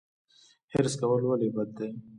حرص کول ولې بد دي؟